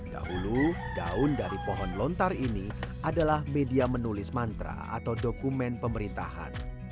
dahulu daun dari pohon lontar ini adalah media menulis mantra atau dokumen pemerintahan